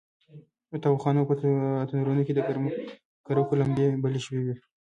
د تاوخانو په تنورونو کې د ګرګو لمبې بلې شوې وې.